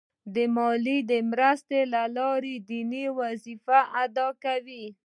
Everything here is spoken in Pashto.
د مالي مرستې له لارې دیني وظیفه ادا کوي.